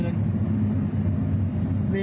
เลยอ่ะ